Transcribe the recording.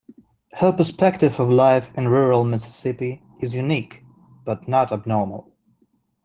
Her perspective of life in rural Mississippi is unique but not abnormal.